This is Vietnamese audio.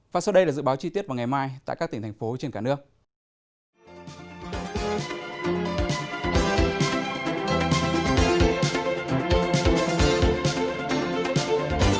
và sau đây là dự báo chi tiết vào ngày mai tại các tỉnh thành phố trên cả nước